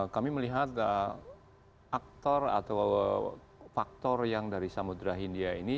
kami melihat aktor atau faktor yang dari samudera hindia ini